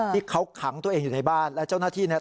ที่เขาขังตัวเองอยู่ในบ้านและเจ้าหน้าที่เนี่ย